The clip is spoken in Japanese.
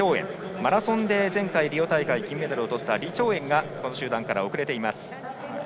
マラソンで前回、リオ大会で金メダルをとった李朝燕がこの集団から遅れています。